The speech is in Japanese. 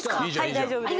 大丈夫です。